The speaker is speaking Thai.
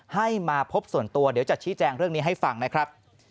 ให้มาพบส่วนตัวเดี๋ยวจะชี้แจงเรื่องนี้ให้ฟังนะครับ